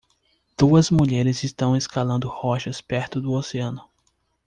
Duas mulheres estão escalando rochas perto do oceano.